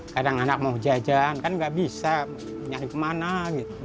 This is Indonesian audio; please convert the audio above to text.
kadang anak mau jajan kan nggak bisa nyari kemana gitu